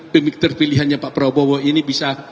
pemikir pilihannya pak prabowo ini bisa